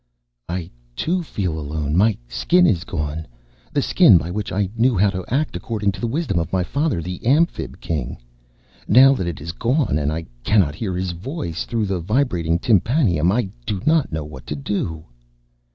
"I, too, feel alone. My Skin is gone, the Skin by which I knew how to act according to the wisdom of my father, the Amphib King. Now that it is gone and I cannot hear his voice through the vibrating tympanum, I do not know what to do."